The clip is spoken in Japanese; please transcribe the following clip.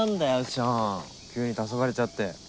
ショーン急にたそがれちゃって。